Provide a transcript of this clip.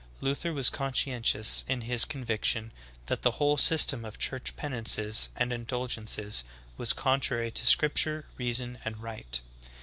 Luther was conscientious in his conviction that the whole system of church penances and indulgences was contrary to scrip ture, reason, and right.